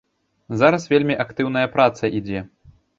Зараз вельмі актыўная праца ідзе.